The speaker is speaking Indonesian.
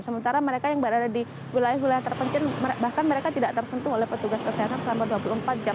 sementara mereka yang berada di wilayah wilayah terpencil bahkan mereka tidak tersentuh oleh petugas kesehatan selama dua puluh empat jam